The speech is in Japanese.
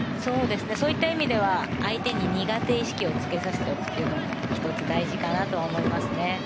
そういった意味では相手に苦手意識をつけさせておくのも１つ、大事かなと思いますね。